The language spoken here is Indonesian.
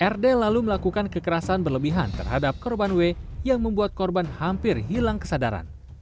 rd lalu melakukan kekerasan berlebihan terhadap korban w yang membuat korban hampir hilang kesadaran